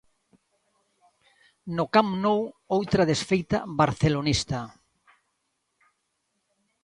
No Camp Nou, outra desfeita barcelonista.